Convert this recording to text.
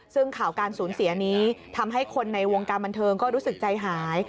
ซึ่งข่าวการสูญเสียนี้ทำให้คนในวงการบันเทิงก็รู้สึกใจหาย